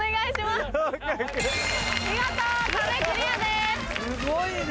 すごいな。